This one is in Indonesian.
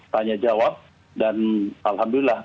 tni adalah kita